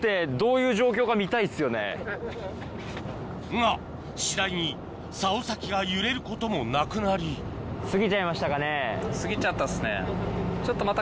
が次第に竿先が揺れることもなくなり過ぎちゃったっすね。